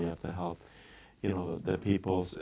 yang ada lebih besar